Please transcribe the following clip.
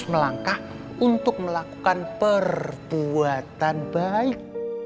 melangkah untuk melakukan perbuatan baik